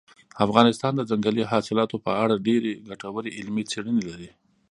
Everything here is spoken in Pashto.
افغانستان د ځنګلي حاصلاتو په اړه ډېرې ګټورې علمي څېړنې لري.